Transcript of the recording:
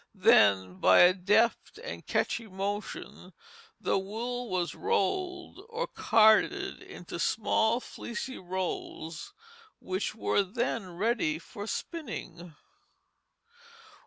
Then by a deft and catchy motion the wool was rolled or carded into small fleecy rolls which were then ready for spinning.